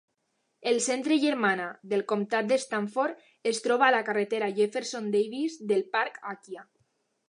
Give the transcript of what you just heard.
El centre Germanna del comtat d'Stafford es troba a la carretera Jefferson Davis del parc Aquia.